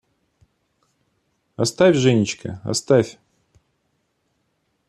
Оставь, Женечка, оставь